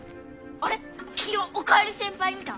あれきのう「おかえり先輩」見た？